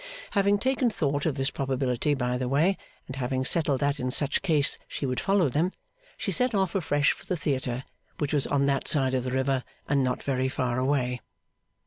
Having taken thought of this probability by the way, and having settled that in such case she would follow them, she set off afresh for the theatre, which was on that side of the river, and not very far away.